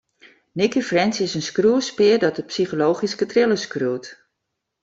Nicci French is in skriuwerspear dat psychologyske thrillers skriuwt.